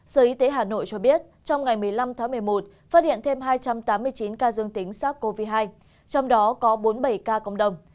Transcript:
sở y tế hà nội cho biết trong ngày một mươi năm tháng một mươi một phát hiện thêm hai trăm tám mươi chín ca dương tính sars cov hai trong đó có bốn mươi bảy ca cộng đồng